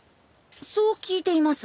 そう聞いています。